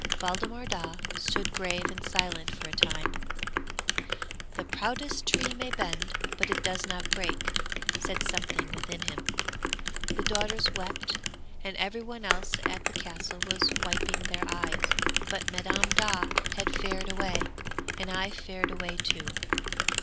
Waldemar Daa stood grave and silent for a time; "The proudest tree may bend, but it does not break," said something within him. The daughters wept, and every one else at the Castle was wiping their eyes; but Madam Daa had fared away, and I fared away too!